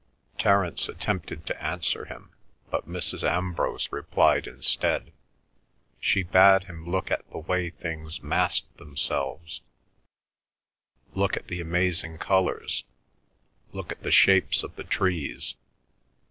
Terence attempted to answer him, but Mrs. Ambrose replied instead. She bade him look at the way things massed themselves—look at the amazing colours, look at the shapes of the trees.